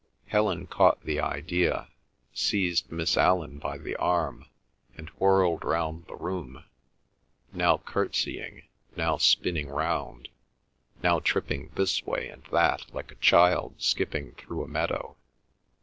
Helen caught the idea; seized Miss Allan by the arm, and whirled round the room, now curtseying, now spinning round, now tripping this way and that like a child skipping through a meadow.